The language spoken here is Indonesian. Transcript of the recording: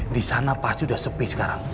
di sana pasti sudah sepi sekarang